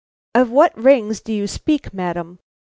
"Of what rings do you speak, madam?